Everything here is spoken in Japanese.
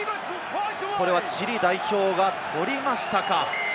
これはチリ代表が取りましたか。